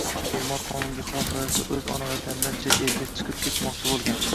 Bemor qonunga xilof ravishda o‘z ona vatanidan chet elga chiqib ketmoqchi bo‘lgan.